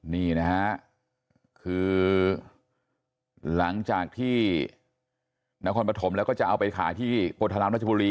นี่นะฮะคือหลังจากที่นครปฐมแล้วก็จะเอาไปขายที่โพธารามราชบุรี